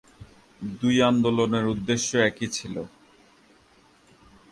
দুই আন্দোলনের উদ্দেশ্য একই ছিল।